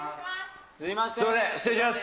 すみません、失礼します。